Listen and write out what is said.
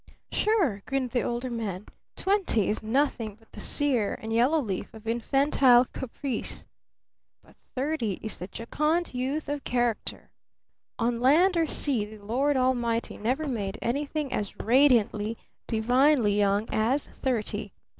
"Sure!" grinned the Older Man. "Twenty is nothing but the 'sere and yellow leaf' of infantile caprice! But thirty is the jocund youth of character! On land or sea the Lord Almighty never made anything as radiantly, divinely young as thirty!